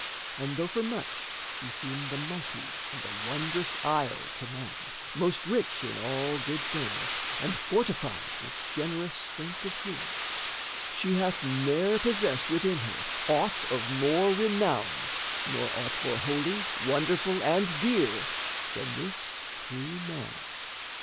And though for much she seem The mighty and the wondrous isle to men, Most rich in all good things, and fortified With generous strength of heroes, she hath ne'er Possessed within her aught of more renown, Nor aught more holy, wonderful, and dear Than this true man.